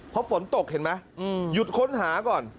เพราะฝนตกเห็นไหมหยุดค้นหาก่อน